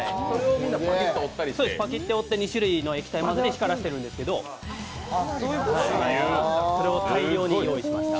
パキッて折って２種類の液体混ぜて光らせてるんですけどソレヲ大量に用意しました。